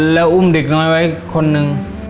แล้วอุ้มเด็กน้อยไว้คนหนึ่ง